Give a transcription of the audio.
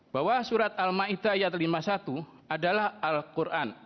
bahwa surat al ma'idah lima puluh satu adalah al quran